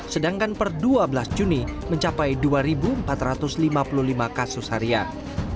sedangkan per dua belas juni mencapai dua empat ratus lima puluh lima kasus harian